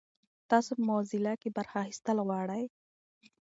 تاسو په موزیلا کې برخه اخیستل غواړئ؟